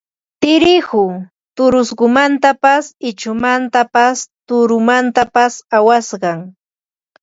Tirihu turuqsumantapas ichumantapas tuturamantapas awasqa